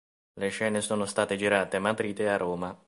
Le scene sono state girate a Madrid e a Roma.